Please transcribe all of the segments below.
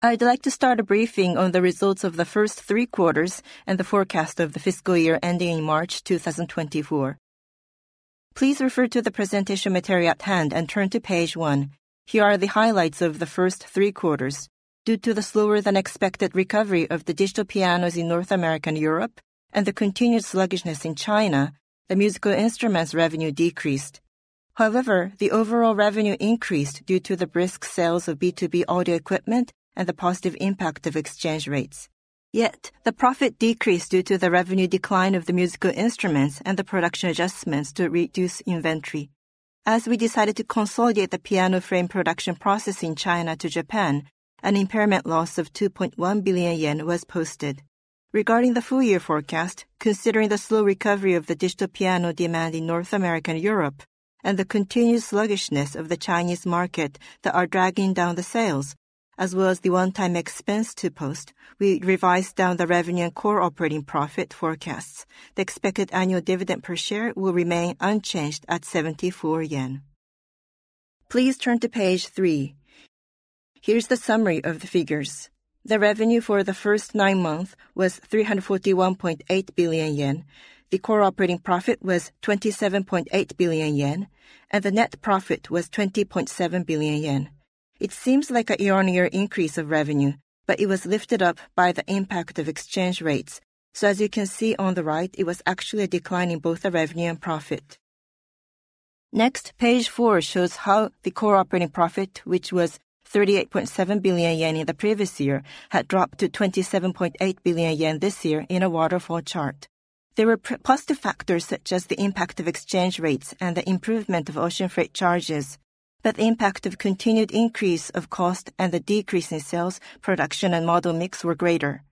I'd like to start a briefing on the results of the first three quarters and the forecast of the fiscal year ending March 2024. Please refer to the presentation material at hand and turn to page one. Here are the highlights of the first three quarters. Due to the slower than expected recovery of the digital pianos in North America and Europe, and the continued sluggishness in China, the musical instruments revenue decreased. However, the overall revenue increased due to the brisk sales of B2B audio equipment and the positive impact of exchange rates. Yet, the profit decreased due to the revenue decline of the musical instruments and the production adjustments to reduce inventory. As we decided to consolidate the piano frame production process in China to Japan, an impairment loss of 2.1 billion yen was posted. Regarding the full year forecast, considering the slow recovery of the digital piano demand in North America and Europe, and the continued sluggishness of the Chinese market that are dragging down the sales, as well as the one-time expense to post, we revised down the revenue and core operating profit forecasts. The expected annual dividend per share will remain unchanged at 74 yen. Please turn to page three. Here's the summary of the figures. The revenue for the first nine months was 341.8 billion yen. The core operating profit was 27.8 billion yen, and the net profit was 20.7 billion yen. It seems like a year-on-year increase of revenue, but it was lifted up by the impact of exchange rates. So as you can see on the right, it was actually a decline in both the revenue and profit. Next, page four shows how the core operating profit, which was 38.7 billion yen in the previous year, had dropped to 27.8 billion yen this year in a waterfall chart. There were positive factors such as the impact of exchange rates and the improvement of ocean freight charges, but the impact of continued increase of cost and the decrease in sales, production, and model mix were greater.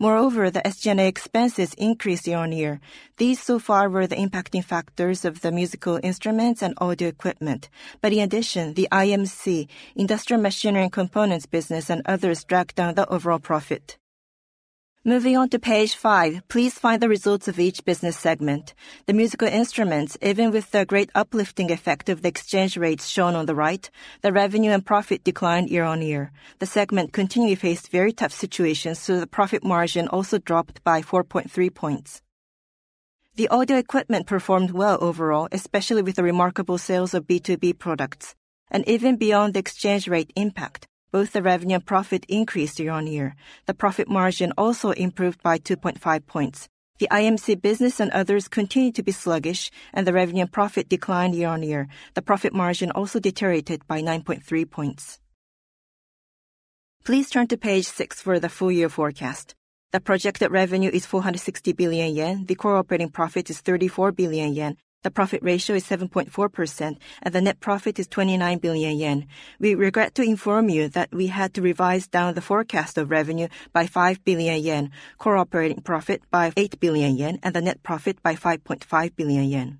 Moreover, the SG&A expenses increased year-on-year. These so far were the impacting factors of the musical instruments and audio equipment. But in addition, the IMC, Industrial Machinery and Components business and others dragged down the overall profit. Moving on to page five, please find the results of each business segment. The musical instruments, even with the great uplifting effect of the exchange rates shown on the right, the revenue and profit declined year-on-year. The segment continued to face very tough situations, so the profit margin also dropped by 4.3 points. The audio equipment performed well overall, especially with the remarkable sales of B2B products, and even beyond the exchange rate impact, both the revenue and profit increased year-on-year. The profit margin also improved by 2.5 points. The IMC business and others continued to be sluggish, and the revenue and profit declined year-on-year. The profit margin also deteriorated by 9.3 points. Please turn to page six for the full year forecast. The projected revenue is 460 billion yen. The core operating profit is 34 billion yen. The profit ratio is 7.4%, and the net profit is 29 billion yen. We regret to inform you that we had to revise down the forecast of revenue by 5 billion yen, core operating profit by 8 billion yen, and the net profit by 5.5 billion yen.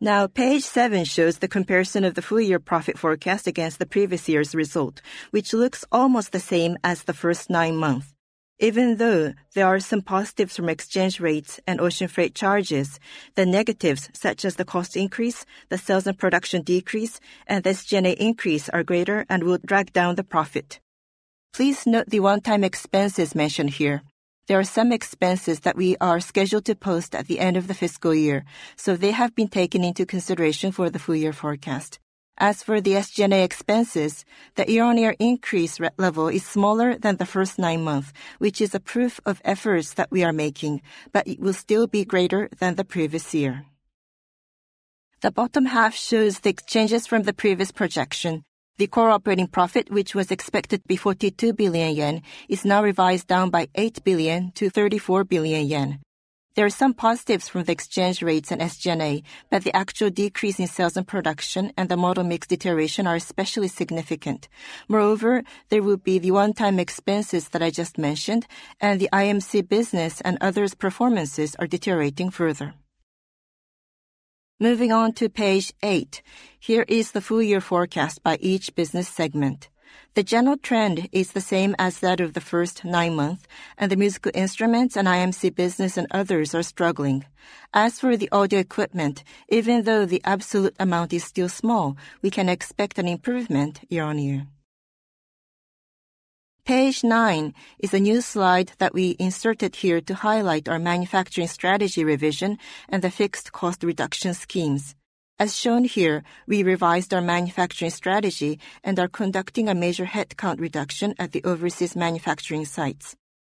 Now, page seven shows the comparison of the full-year profit forecast against the previous year's result, which looks almost the same as the first nine months. Even though there are some positives from exchange rates and ocean freight charges, the negatives, such as the cost increase, the sales and production decrease, and the SG&A increase, are greater and will drag down the profit. Please note the one-time expenses mentioned here. There are some expenses that we are scheduled to post at the end of the fiscal year, so they have been taken into consideration for the full-year forecast. As for the SG&A expenses, the year-on-year increase rate level is smaller than the first nine months, which is a proof of efforts that we are making, but it will still be greater than the previous year. The bottom half shows the changes from the previous projection. The core operating profit, which was expected to be 42 billion yen, is now revised down by 8 billion to 34 billion yen. There are some positives from the exchange rates and SG&A, but the actual decrease in sales and production and the model mix deterioration are especially significant. Moreover, there will be the one-time expenses that I just mentioned, and the IMC business and others' performances are deteriorating further. Moving on to page eight, here is the full year forecast by each business segment. The general trend is the same as that of the first nine months, and the musical instruments and IMC business and others are struggling. As for the audio equipment, even though the absolute amount is still small, we can expect an improvement year-over-year. Page nine is a new slide that we inserted here to highlight our manufacturing strategy revision and the fixed cost reduction schemes. As shown here, we revised our manufacturing strategy and are conducting a major headcount reduction at the overseas manufacturing sites.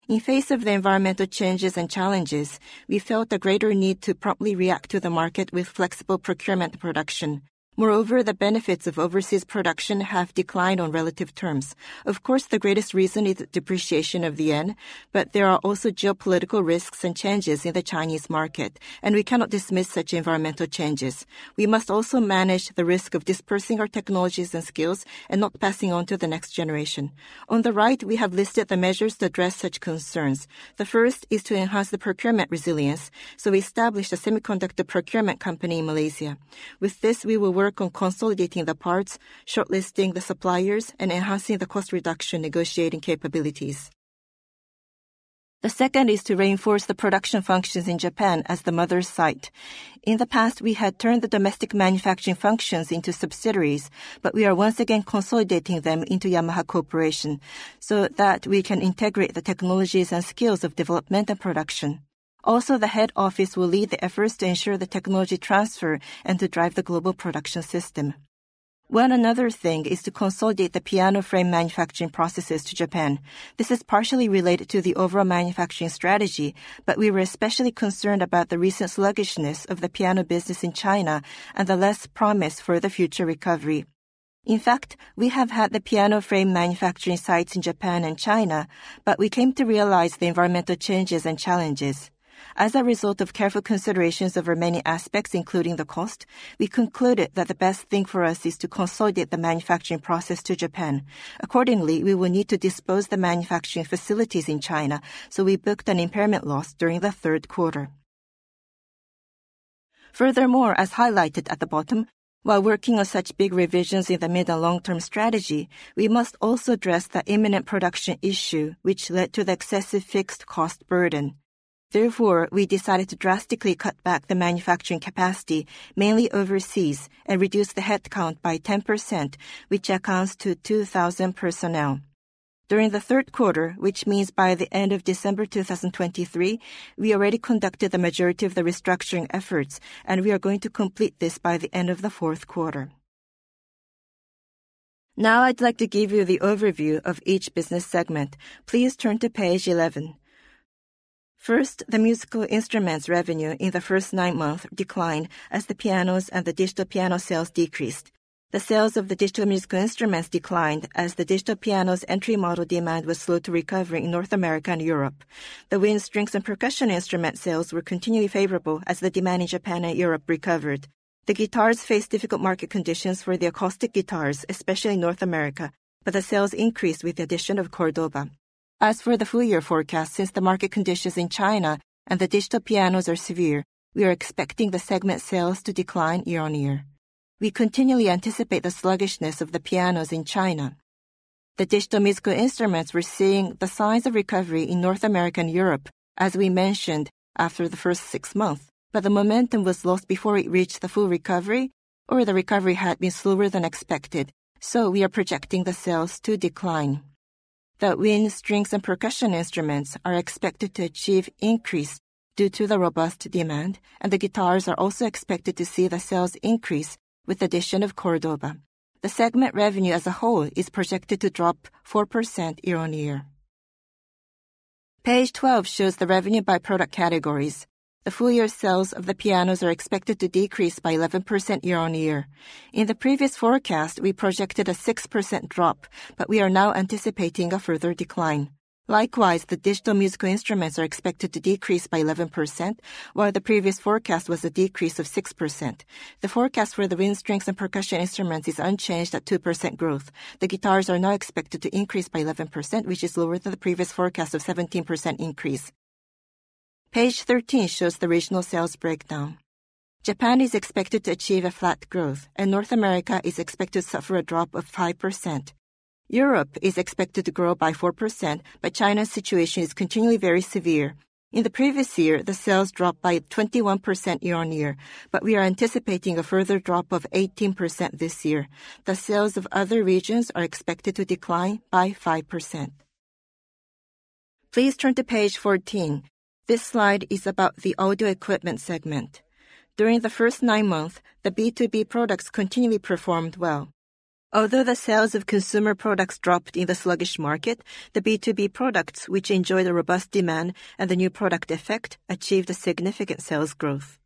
In the face of the environmental changes and challenges, we felt a greater need to promptly react to the market with flexible procurement production. Moreover, the benefits of overseas production have declined on relative terms. Of course, the greatest reason is the depreciation of the yen, but there are also geopolitical risks and changes in the Chinese market, and we cannot dismiss such environmental changes. We must also manage the risk of dispersing our technologies and skills and not passing on to the next generation. On the right, we have listed the measures to address such concerns. The first is to enhance the procurement resilience, so we established a semiconductor procurement company in Malaysia. With this, we will work on consolidating the parts, shortlisting the suppliers, and enhancing the cost reduction negotiating capabilities. The second is to reinforce the production functions in Japan as the mother site. In the past, we had turned the domestic manufacturing functions into subsidiaries, but we are once again consolidating them into Yamaha Corporation so that we can integrate the technologies and skills of development and production. Also, the head office will lead the efforts to ensure the technology transfer and to drive the global production system. One another thing is to consolidate the piano frame manufacturing processes to Japan. This is partially related to the overall manufacturing strategy, but we were especially concerned about the recent sluggishness of the piano business in China and the less promise for the future recovery. In fact, we have had the piano frame manufacturing sites in Japan and China, but we came to realize the environmental changes and challenges. As a result of careful considerations over many aspects, including the cost, we concluded that the best thing for us is to consolidate the manufacturing process to Japan. Accordingly, we will need to dispose the manufacturing facilities in China, so we booked an impairment loss during the third quarter. Furthermore, as highlighted at the bottom, while working on such big revisions in the mid and long-term strategy, we must also address the imminent production issue, which led to the excessive fixed cost burden. Therefore, we decided to drastically cut back the manufacturing capacity, mainly overseas, and reduce the headcount by 10%, which accounts to 2,000 personnel. During the third quarter, which means by the end of December 2023, we already conducted the majority of the restructuring efforts, and we are going to complete this by the end of the fourth quarter. Now I'd like to give you the overview of each business segment. Please turn to page 11. First, the musical instruments revenue in the first nine months declined as the pianos and the digital piano sales decreased. The sales of the digital musical instruments declined as the digital pianos entry model demand was slow to recover in North America and Europe. The wind, strings, and percussion instrument sales were continually favorable as the demand in Japan and Europe recovered. The guitars faced difficult market conditions for the acoustic guitars, especially in North America, but the sales increased with the addition of Córdoba. As for the full year forecast, since the market conditions in China and the digital pianos are severe, we are expecting the segment sales to decline year-on-year. We continually anticipate the sluggishness of the pianos in China. The digital musical instruments were seeing the signs of recovery in North America and Europe, as we mentioned after the first six months, but the momentum was lost before it reached the full recovery or the recovery had been slower than expected, so we are projecting the sales to decline. The wind, strings, and percussion instruments are expected to achieve increase due to the robust demand, and the guitars are also expected to see the sales increase with the addition of Córdoba. The segment revenue as a whole is projected to drop 4% year-on-year. Page 12 shows the revenue by product categories. The full year sales of the pianos are expected to decrease by 11% year-on-year. In the previous forecast, we projected a 6% drop, but we are now anticipating a further decline. Likewise, the digital musical instruments are expected to decrease by 11%, while the previous forecast was a decrease of 6%. The forecast for the wind, strings, and percussion instruments is unchanged at 2% growth. The guitars are now expected to increase by 11%, which is lower than the previous forecast of 17% increase. Page 13 shows the regional sales breakdown. Japan is expected to achieve a flat growth, and North America is expected to suffer a drop of 5%. Europe is expected to grow by 4%, but China's situation is continually very severe. In the previous year, the sales dropped by 21% year-on-year, but we are anticipating a further drop of 18% this year. The sales of other regions are expected to decline by 5%. Please turn to page 14. This slide is about the audio equipment segment. During the first nine months, the B2B products continually performed well. Although the sales of consumer products dropped in the sluggish market, the B2B products, which enjoy the robust demand and the new product effect, achieved a significant sales growth.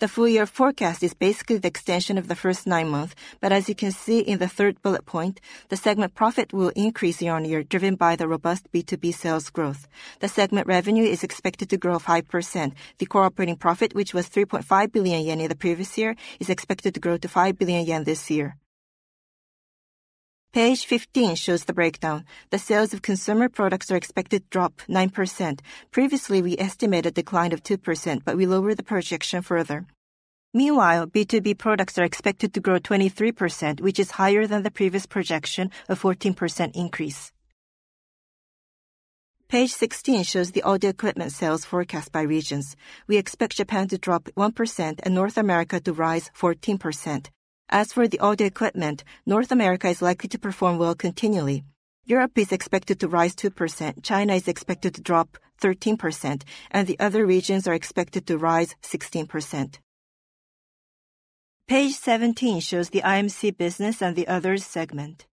The full year forecast is basically the extension of the first nine months, but as you can see in the third bullet point, the segment profit will increase year-on-year, driven by the robust B2B sales growth. The segment revenue is expected to grow 5%. The Core operating profit, which was 3.5 billion yen in the previous year, is expected to grow to 5 billion yen this year. Page 15 shows the breakdown. The sales of consumer products are expected to drop 9%. Previously, we estimated a decline of 2%, but we lowered the projection further. Meanwhile, B2B products are expected to grow 23%, which is higher than the previous projection of 14% increase. Page 16 shows the audio equipment sales forecast by regions. We expect Japan to drop 1% and North America to rise 14%. As for the audio equipment, North America is likely to perform well continually. Europe is expected to rise 2%, China is expected to drop 13%, and the other regions are expected to rise 16%. Page 17 shows the IMC business and the others segment.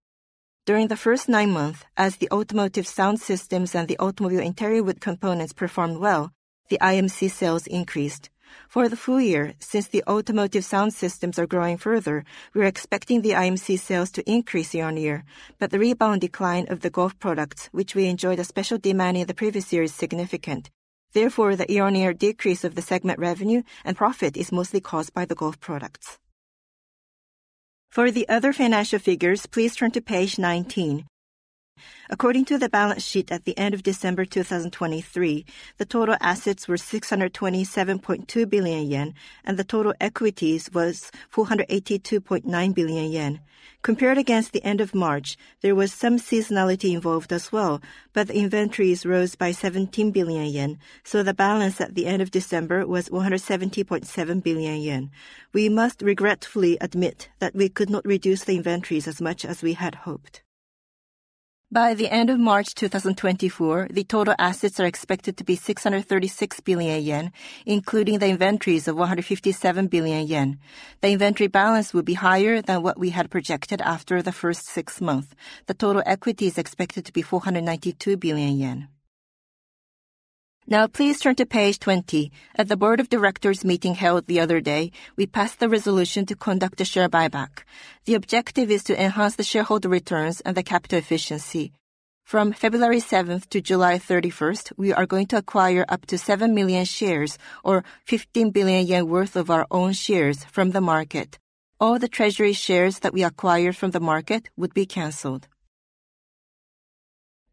During the first nine months, as the automotive sound systems and the automobile interior wood components performed well, the IMC sales increased. For the full year, since the automotive sound systems are growing further, we are expecting the IMC sales to increase year-on-year. But the rebound decline of the golf products, which we enjoyed a special demand in the previous year, is significant. Therefore, the year-on-year decrease of the segment revenue and profit is mostly caused by the golf products. For the other financial figures, please turn to page 19. According to the balance sheet at the end of December 2023, the total assets were 627.2 billion yen, and the total equities was 482.9 billion yen. Compared against the end of March, there was some seasonality involved as well, but the inventories rose by 17 billion yen, so the balance at the end of December was 170.7 billion yen. We must regretfully admit that we could not reduce the inventories as much as we had hoped. By the end of March 2024, the total assets are expected to be 636 billion yen, including the inventories of 157 billion yen. The inventory balance will be higher than what we had projected after the first six months. The total equity is expected to be 492 billion yen. Now please turn to page 20. At the Board of Directors meeting held the other day, we passed the resolution to conduct a share buyback. The objective is to enhance the shareholder returns and the capital efficiency. From February seventh to July thirty-first, we are going to acquire up to 7 million shares or 15 billion yen worth of our own shares from the market. All the treasury shares that we acquire from the market would be canceled.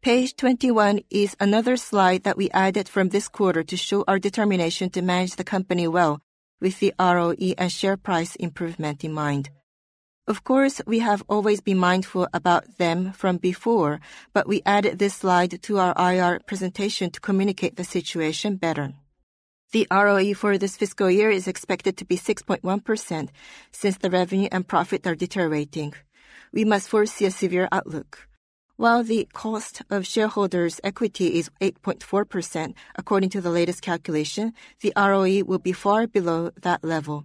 Page 21 is another slide that we added from this quarter to show our determination to manage the company well with the ROE and share price improvement in mind. Of course, we have always been mindful about them from before, but we added this slide to our IR presentation to communicate the situation better. The ROE for this fiscal year is expected to be 6.1% since the revenue and profit are deteriorating. We must foresee a severe outlook. While the cost of shareholders' equity is 8.4% according to the latest calculation, the ROE will be far below that level.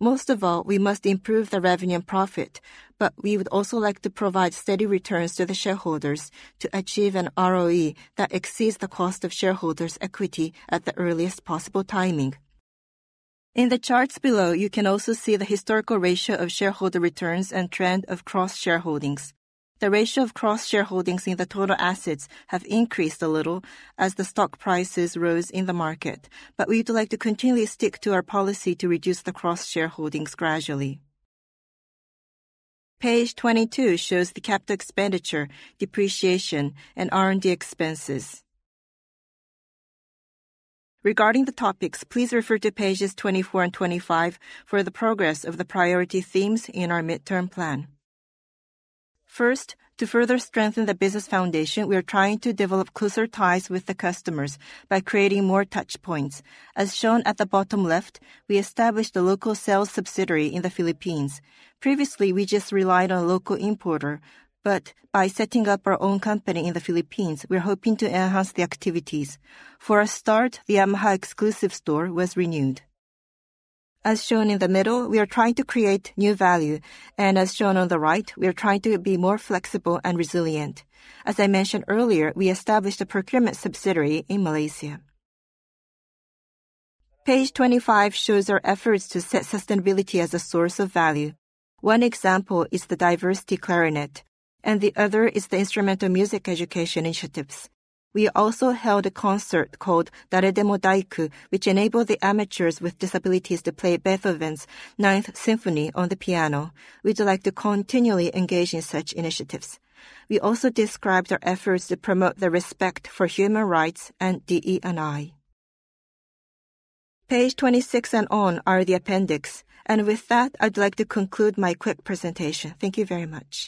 Most of all, we must improve the revenue and profit, but we would also like to provide steady returns to the shareholders to achieve an ROE that exceeds the cost of shareholders' equity at the earliest possible timing. In the charts below, you can also see the historical ratio of shareholder returns and trend of cross-shareholdings. The ratio of cross-shareholdings in the total assets have increased a little as the stock prices rose in the market, but we'd like to continually stick to our policy to reduce the cross-shareholdings gradually. Page 22 shows the capital expenditure, depreciation, and R&D expenses. Regarding the topics, please refer to pages 24 and 25 for the progress of the priority themes in our midterm plan. First, to further strengthen the business foundation, we are trying to develop closer ties with the customers by creating more touchpoints. As shown at the bottom left, we established a local sales subsidiary in the Philippines. Previously, we just relied on local importer, but by setting up our own company in the Philippines, we are hoping to enhance the activities. For a start, the Yamaha exclusive store was renewed. As shown in the middle, we are trying to create new value, and as shown on the right, we are trying to be more flexible and resilient. As I mentioned earlier, we established a procurement subsidiary in Malaysia. Page 25 shows our efforts to set sustainability as a source of value. One example is the Diversity Clarinet, and the other is the Instrumental Music Education initiatives. We also held a concert called Dare Demo Daiku, which enabled the amateurs with disabilities to play Beethoven's Ninth Symphony on the piano. We'd like to continually engage in such initiatives. We also described our efforts to promote the respect for human rights and DE&I. Page 26 and on are the appendix. With that, I'd like to conclude my quick presentation. Thank you very much.